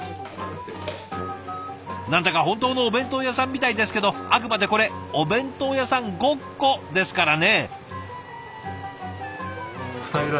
何だか本当のお弁当屋さんみたいですけどあくまでこれお弁当屋さん“ごっこ”ですからね。